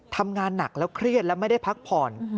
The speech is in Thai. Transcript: ทำงานหนักแล้วเครียดและไม่ได้พักผ่อน